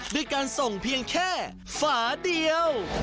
ด้วยการส่งเพียงแค่ฝาเดียว